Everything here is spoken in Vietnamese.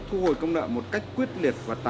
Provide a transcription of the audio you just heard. thì cũng vẫn phải viết